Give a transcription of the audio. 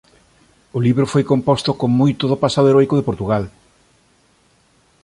O libro foi composto con moito do pasado heroico de Portugal.